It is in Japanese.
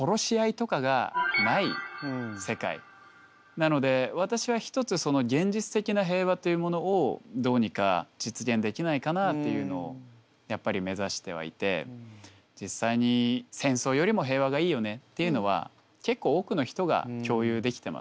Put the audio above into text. なので私は一つその現実的な平和というものをどうにか実現できないかなっていうのをやっぱり目指してはいて実際に戦争よりも平和がいいよねっていうのは結構多くの人が共有できてます。